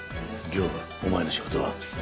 刑部お前の仕事は？